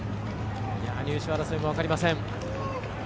入賞争いも分かりません。